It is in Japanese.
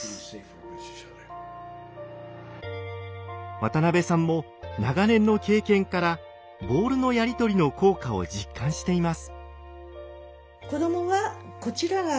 渡辺さんも長年の経験からボールのやり取りの効果を実感しています。